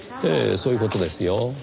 そういう事ですよ。